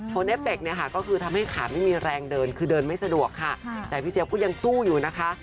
โอเนเฟคเนี่ยค่ะก็คือทำให้ขาไม่มีแรงเดินคือเดินไม่สะดวกค่ะแต่พี่เจี๊ยบก็ยังสู้อยู่นะคะ